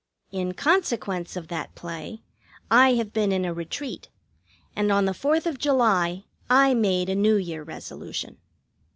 In consequence of that play I have been in a retreat, and on the Fourth of July I made a New Year resolution.